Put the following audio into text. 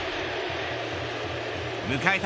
迎えた